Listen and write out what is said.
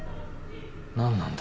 何なんだ？